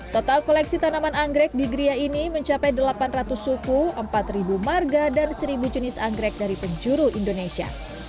total koleksi tanaman anggrek di geria ini mencapai delapan ratus suku empat marga dan seribu jenis anggrek dari penjuru indonesia